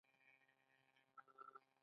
ټپونه جوړ سوي نه دي.